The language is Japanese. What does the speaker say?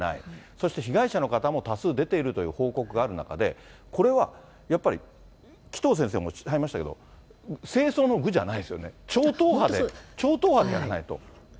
そして被害者の方も多数出ているという報告がある中で、これはやっぱり、紀藤先生もおっしゃいましたけど、政争の具じゃないですよね、超党派でやらないと。